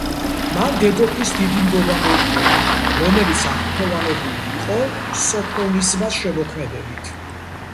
მან დედოფლის დიდი ნდობა მოიპოვა, რომელიც აღფრთოვანებული იყო სოფონისბას შემოქმედებით.